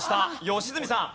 良純さん。